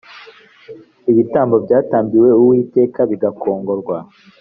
ibitambo byatambiwe uwiteka bigakongorwa